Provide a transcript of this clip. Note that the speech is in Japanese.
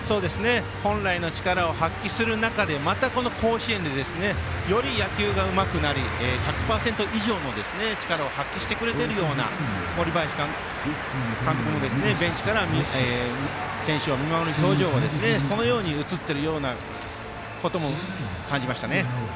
本来の力を発揮する中でまた、甲子園でより野球がうまくなり１００％以上の力を発揮してくれているような森林監督もベンチから選手を見守る表情もそのように映っているように感じました。